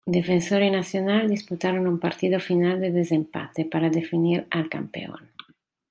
Defensor y Nacional, disputaron un partido final de desempate, para definir al campeón.